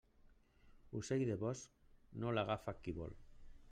Ocell de bosc no l'agafa qui vol.